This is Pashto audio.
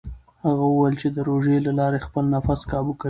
هغه وویل چې د روژې له لارې خپل نفس کابو کوي.